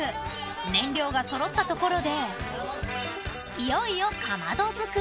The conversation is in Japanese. ［燃料が揃ったところでいよいよかまど作り］